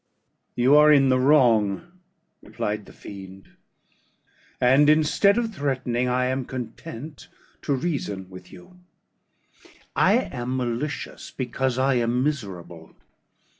"You are in the wrong," replied the fiend; "and, instead of threatening, I am content to reason with you. I am malicious because I am miserable.